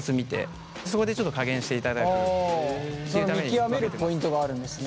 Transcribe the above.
見極めるポイントがあるんですね。